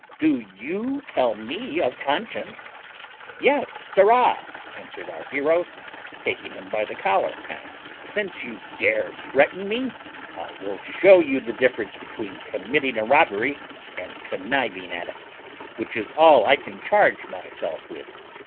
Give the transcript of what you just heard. Do you tell me of conscience?" "Yes, sirrah!" answered our hero, taking him by the collar; "and since you dare threaten me I will shew you the difference between committing a robbery and conniving at it, which is all I can charge myself with.